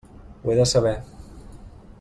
Ho he de saber.